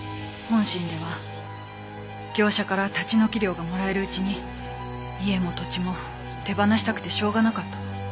本心では業者から立ち退き料がもらえるうちに家も土地も手放したくてしょうがなかったの。